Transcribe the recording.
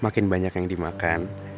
makin banyak yang dimakan